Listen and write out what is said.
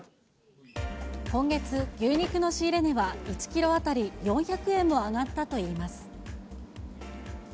今月、牛肉の仕入れ値は、１キロ当たり４００円も上がったといいます。